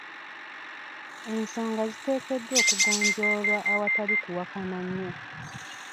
Ensonga ziteekeddwa okugonjoolwa awatali kuwakana nnyo.